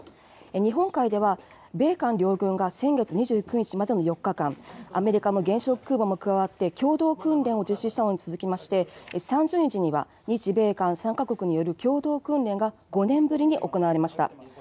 日本海では米韓両軍が先月２９日までの４日間、アメリカの原子力空母も加わって、共同訓練を実施したのに続きまして、３０日には日米韓３か国による共同訓練が、５年ぶりに行われました。